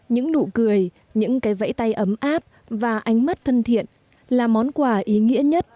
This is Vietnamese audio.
những nụ cười những cái vẫy tay ấm áp và ánh mắt thân thiện là món quà ý nghĩa nhất